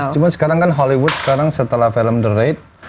cuma sekarang kan hollywood sekarang setelah film the rate